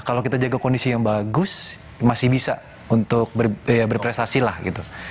kalau kita jaga kondisi yang bagus masih bisa untuk berprestasi lah gitu